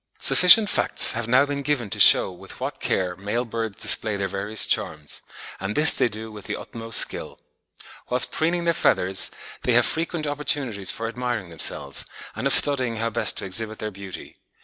Sufficient facts have now been given to shew with what care male birds display their various charms, and this they do with the utmost skill. Whilst preening their feathers, they have frequent opportunities for admiring themselves, and of studying how best to exhibit their beauty.